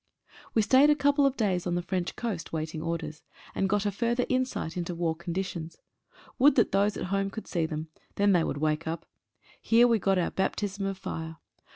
E stayed a couple of days on the French coast waiting orders, and got a further insight into war conditions. Would that those at home could see them — then they would wake up. Here we got our baptism of fire.